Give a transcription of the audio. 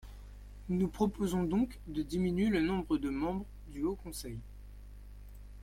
Nous proposons donc de diminuer le nombre de membres du Haut conseil.